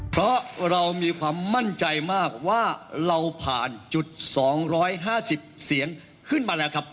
เพราะเรามีความมั่นใจมากว่าเราผ่านจุด๒๕๐เสียงขึ้นมาแล้วครับ